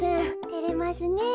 てれますねえ。